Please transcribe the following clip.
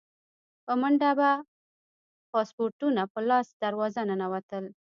په منډه به پاسپورټونه په لاس دروازه ننوتل.